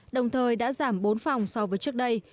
đồng thời đã giảm bốn phòng so với trước đây